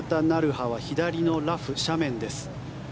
華は左のラフ斜面です。